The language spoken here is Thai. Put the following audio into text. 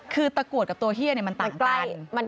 คือตะกรวดกับตัวเฮียมันต่างใกล้